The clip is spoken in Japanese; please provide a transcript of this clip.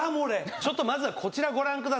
ちょっとまずはこちらご覧ください。